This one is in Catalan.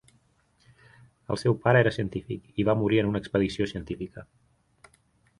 El seu pare era científic, i va morir en una expedició científica.